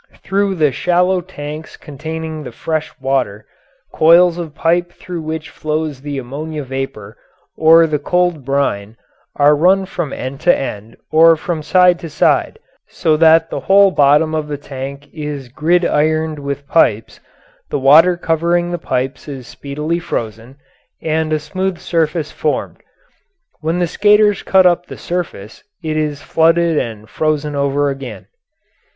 Through the shallow tanks containing the fresh water coils of pipe through which flows the ammonia vapour or the cold brine are run from end to end or from side to side so that the whole bottom of the tank is gridironed with pipes, the water covering the pipes is speedily frozen, and a smooth surface formed. When the skaters cut up the surface it is flooded and frozen over again.